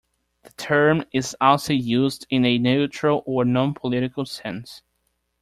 The term is also used in a neutral or non-political sense.